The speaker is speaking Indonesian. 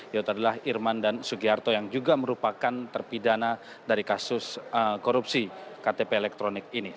yaitu adalah irman dan sugiharto yang juga merupakan terpidana dari kasus korupsi ktp elektronik ini